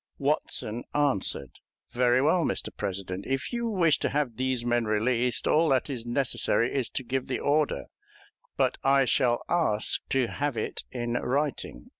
Watson answered: "Very well, Mr. President, if you wish to have these men released, all that is necessary is to give the order; but I shall ask to have it in writing.